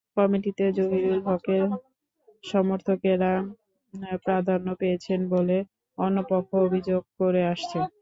কমিটিতে জহিরুল হকের সমর্থকেরা প্রাধান্য পেয়েছেন বলে অন্য পক্ষ অভিযোগ করে আসছে।